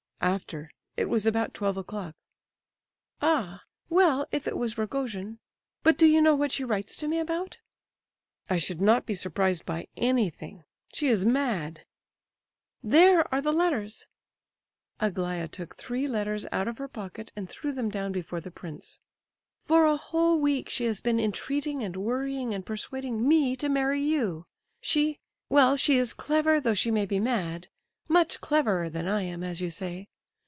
"After—it was about twelve o'clock." "Ah! Well, if it was Rogojin—but do you know what she writes to me about?" "I should not be surprised by anything. She is mad!" "There are the letters." (Aglaya took three letters out of her pocket and threw them down before the prince.) "For a whole week she has been entreating and worrying and persuading me to marry you. She—well, she is clever, though she may be mad—much cleverer than I am, as you say.